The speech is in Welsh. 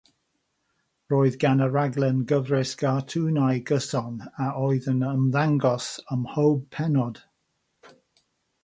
Roedd gan y rhaglen gyfres gartwnau gyson a oedd yn ymddangos ym mhob pennod.